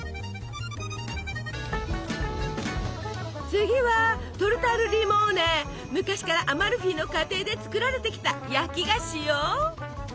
次は昔からアマルフィの家庭で作られてきた焼き菓子よ！